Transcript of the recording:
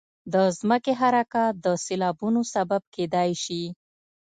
د ځمکې حرکات د سیلابونو سبب کېدای شي.